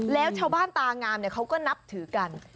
แล้วชาวบ้านตางามเขาก็นับถือกัน